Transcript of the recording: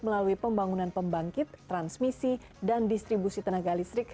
melalui pembangunan pembangkit transmisi dan distribusi tenaga listrik